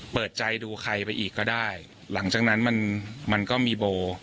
เปิดใจดูใครไปอีกก็ได้หลังจากนั้นมันมันก็มีโบ